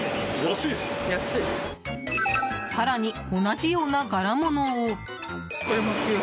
更に同じような柄物を。